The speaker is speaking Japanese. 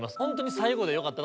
最後でよかった？